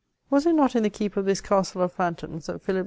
Was it not in the keep of dus castle of phantoms ihat Philip II.